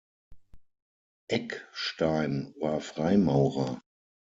Eckstein war Freimaurer.